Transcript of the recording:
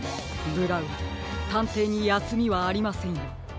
ブラウンたんていにやすみはありませんよ。